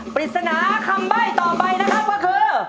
ปริศนาคำแป้มให้ต่อไปก็คือ